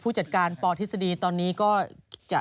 จัดการปทฤษฎีตอนนี้ก็จะ